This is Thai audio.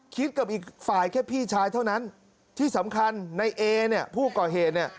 กับอีกฝ่ายแค่พี่ชายเท่านั้นที่สำคัญในเอเนี่ยผู้ก่อเหตุเนี่ย